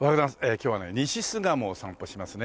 今日はね西巣鴨を散歩しますね。